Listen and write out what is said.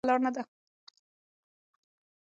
دا سمه لار نه ده.